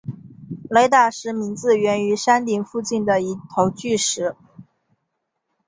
雷打石名字源于山顶附近的一头巨石。